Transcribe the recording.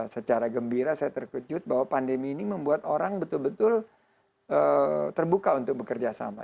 secara gembira saya terkejut bahwa pandemi ini membuat orang betul betul terbuka untuk bekerja sama